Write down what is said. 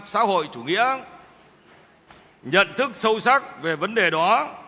xã hội chủ nghĩa nhận thức sâu sắc về vấn đề đó